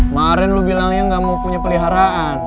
maren lo bilangnya gak mau punya peliharaan